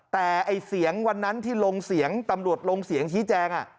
แต่ไอ้เสียงวันนั้นที่ลงเสียงตำรวจลงเสียงชี้แจง